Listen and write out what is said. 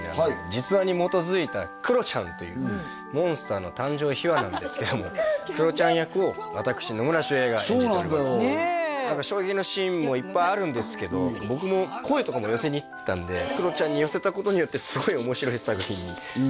実話に基づいたクロちゃんというモンスターの誕生秘話なんですけどもクロちゃん役を私野村周平が演じております衝撃のシーンもいっぱいあるんですけど僕も声とかも寄せにいったのでクロちゃんに寄せたことによってすごい面白い作品になってます